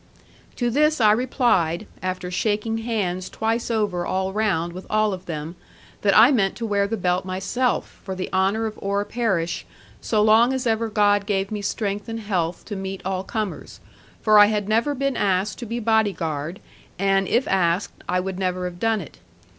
To this I replied, after shaking hands twice over all round with all of them, that I meant to wear the belt myself, for the honour of Oare parish, so long as ever God gave me strength and health to meet all comers; for I had never been asked to be body guard, and if asked I would never have done it.